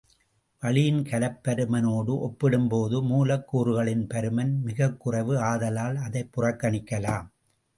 வளியின் கலப்பருமனோடு ஒப்பிடும்போது, மூலக் கூறுகளின் பருமன் மிகக் குறைவு ஆதலால், அதைப் புறக்கணிக்கலாம்.